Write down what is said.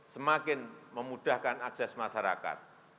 semakin memudahkan akses masyarakat